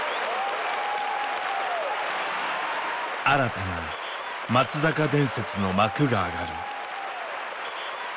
新たな松坂伝説の幕が上がる。